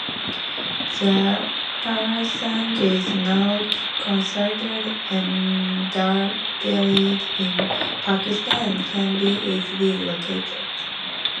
The pheasant is not considered endangered in Pakistan and can be easily located.